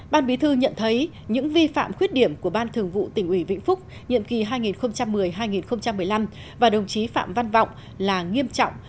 ban bí thư nhận thấy những vi phạm khuyết điểm của ban thường vụ tỉnh ủy vĩnh phúc nhiệm kỳ hai nghìn một mươi hai nghìn một mươi năm và đồng chí phạm văn vọng là nghiêm trọng